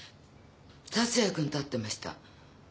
達也君と会ってました。